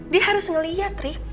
dia harus ngeliat ri